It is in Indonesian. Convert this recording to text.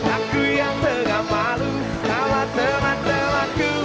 aku yang tega malu sama teman temanku